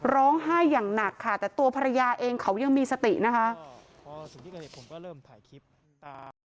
อย่างหนักค่ะแต่ตัวภรรยาเองเขายังมีสตินะคะ